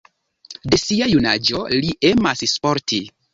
De sia junaĝo li emas sporti.